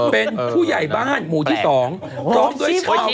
เป็นผู้ใหญ่บ้านหมู่ที่๒พร้อมด้วยชาวบ้าน